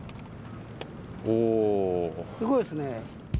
すごいですね。